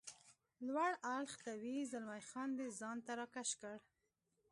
لوړ اړخ ته وي، زلمی خان دی ځان ته را کش کړ.